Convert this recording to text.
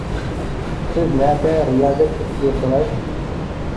سىز نەدە رىيازەت چېكىپ يۈردىڭىز؟